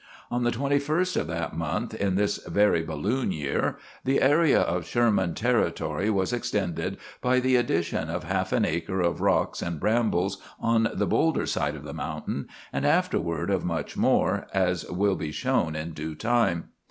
On the 21st of that month in this very balloon year, the area of Sherman Territory was extended by the addition of half an acre of rocks and brambles on the boulder side of the mountain, and afterward of much more, as will be shown in due time.